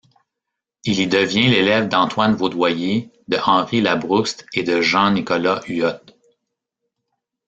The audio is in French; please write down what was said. Il y devient l'élève d'Antoine Vaudoyer, de Henri Labrouste et de Jean-Nicolas Huyot.